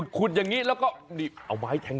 ขุดอย่างนี้แล้วก็นี่เอาไม้แทง